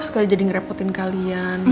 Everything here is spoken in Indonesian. sekali jadi ngerepotin kalian